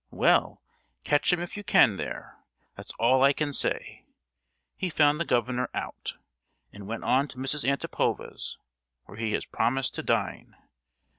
Well, catch him if you can, there! That's all I can say. He found the Governor 'out,' and went on to Mrs. Antipova's, where he has promised to dine.